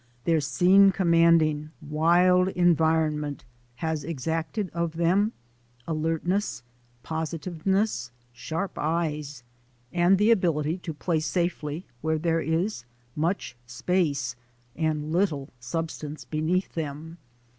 Their scene commanding, wild environment has exacted of them alertness, posi tiveness, sharp eyes, and the ability to play safely where there is much space and little substance be neath them.